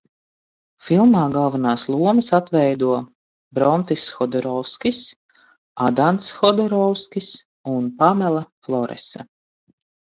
Filmā galvenās lomas atveido Brontiss Hodorovskis, Adans Hodorovskis un Pamela Floresa.